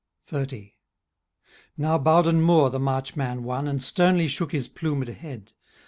XXX. Now Bowden Moor the march man won. And sternly shook his plumed head.